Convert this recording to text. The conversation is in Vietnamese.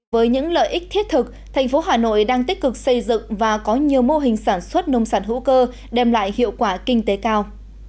với những lợi ích thiết thực thành phố hà nội đang tích cực xây dựng và có nhiều mô hình sản xuất nông sản hữu cơ đem lại hiệu quả kinh tế cao